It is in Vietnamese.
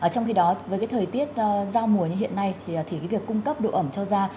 trong khi đó với cái thời tiết dao mùa như hiện nay thì cái việc cung cấp độ ẩm cho da